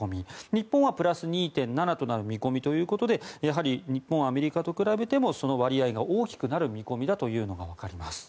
日本はプラス２．７となる見込みということでやはり日本、アメリカと比べてもその割合が大きくなる見込みだというのがわかります。